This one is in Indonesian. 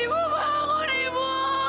ibu bangun ibu